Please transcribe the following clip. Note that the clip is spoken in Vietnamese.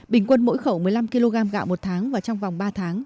bình quân mỗi khẩu một mươi năm kg gạo một tháng và trong vòng ba tháng